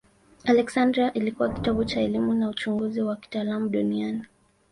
Aleksandria ilikuwa kitovu cha elimu na uchunguzi wa kitaalamu duniani.